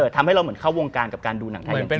ทำให้เราเหมือนเข้าวงการกับการดูหนังไทย